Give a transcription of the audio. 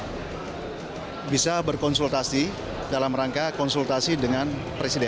kita bisa berkonsultasi dalam rangka konsultasi dengan presiden